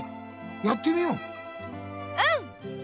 やってみよう！